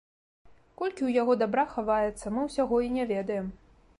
Колькі ў яго дабра хаваецца, мы ўсяго і не ведаем.